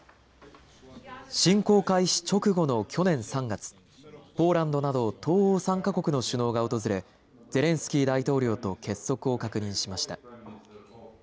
侵攻開始直後の去年３月、ポーランドなど東欧３か国の首脳が訪れゼレンスキー大統領と結束を確認しました。